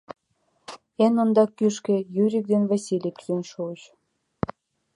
Эн ондак кӱшкӧ Юрик ден Васлий кӱзен шуыч.